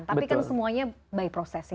tapi kan semuanya by process ya